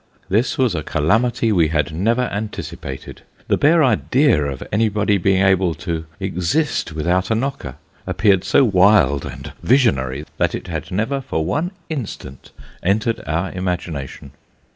This was a calamity we had never anticipated. The bare idea of anybody being able to exist without a knocker appeared so wild and visionary, that it had never for one instant entered our imagination.